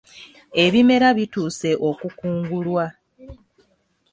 Ebimera bituuse okukungulwa.